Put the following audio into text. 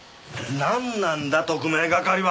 なんなんだ特命係は！